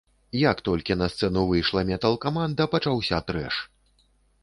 Як толькі на сцэну выйшла метал-каманда пачаўся трэш!